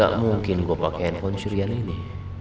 gak mungkin gue pakai handphone curian ini